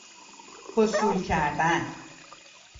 حصول کردن